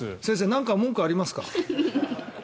何か文句ありますか？